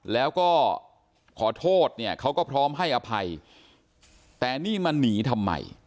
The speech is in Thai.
แล้วก็ขอโทษเนี่ยเขาก็พร้อมให้อภัยแต่นี่มันหนีทำไม